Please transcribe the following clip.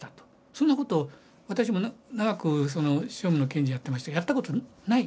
そんなこと私も長く訟務の検事やってましたけどやったことない。